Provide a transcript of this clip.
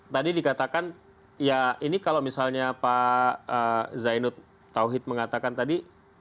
tadi dikatakan ya ini kalau misalnya pak zainud tauhid mengatakan tadi